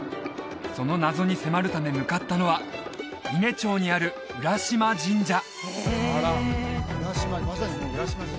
その謎に迫るため向かったのは伊根町にある浦嶋神社あっ